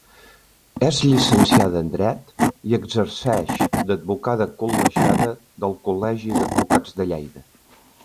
És llicenciada en dret i exerceix d'advocada col·legiada del Col·legi d'Advocats de Lleida.